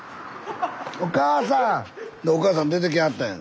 スタジオお母さん出てきはったんや。